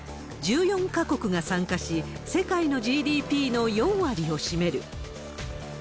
１４か国が参加し、世界のＧＤＰの４割を占める。